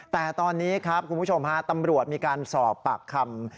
แต่ตอนนี้ครับคุณผู้ชมฮะตำรวจมีการสอบปากคำ